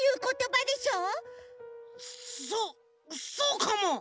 そっそうかも！